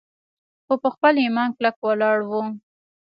خو پۀ خپل ايمان کلک ولاړ وو